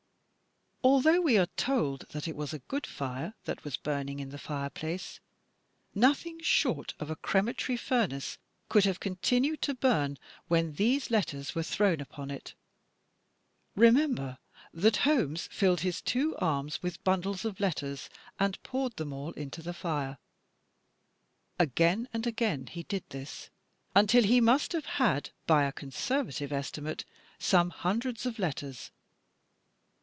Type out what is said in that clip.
Although we are told that it was "a good fire" that was burning in the fireplace, nothing short of a crematory furnace 2IO THE TECHNIQUE OF THE MYSTERY STORY could have continued to bum when these letters were thrown upon it. Remember that Holmes "filled his two arms with bimdles of letters and poured them all into the fire." "Again and again he did this," until he must have had, by a con servative estimate, some himdreds of letters.